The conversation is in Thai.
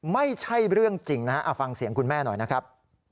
ไม่ใช่เรื่องจริงนะฮะเอาฟังเสียงคุณแม่หน่อยนะครับ